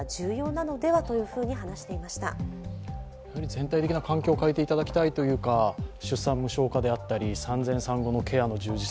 全体的な環境を変えていただきたいというか、出産無償化であったり産前産後のケアの充実